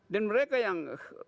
dan mereka yang